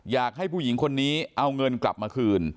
อยากให้ผู้หญิงคนนี้เอาเงินกลับมาคืน